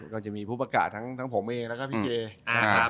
ก็จะมาพูดประกาศทั้งผมเองแล้วก็พี่เจ